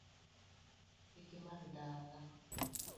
Kik imadh ndawa ka